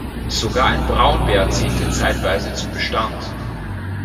Sogar ein Braunbär zählte zeitweise zum Bestand.